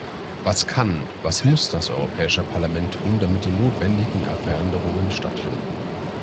Was kann, was muss das Europäische Parlament tun, damit die notwendigen Veränderungen stattfinden?